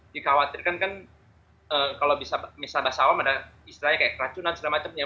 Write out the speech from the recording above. dikhawatirkan kan kalau bisa misal basawam ada istilahnya kayak keracunan seram macamnya